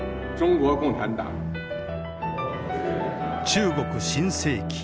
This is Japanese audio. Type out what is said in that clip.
中国新世紀。